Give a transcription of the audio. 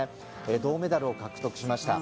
銅メダルを獲得しました。